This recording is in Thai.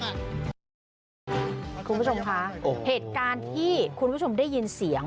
คุณผู้ชมคะเหตุการณ์ที่คุณผู้ชมได้ยินเสียง